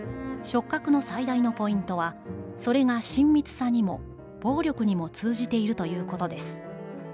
「触覚の最大のポイントは、それが親密さにも、暴力にも通じているということです。